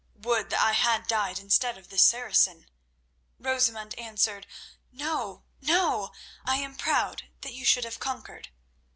Would that I had died instead of this Saracen!" Rosamund answered: "No, no; I am proud that you should have conquered."